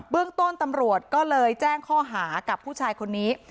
เรื่องต้นตำรวจก็เลยแจ้งข้อหากับผู้ชายคนนี้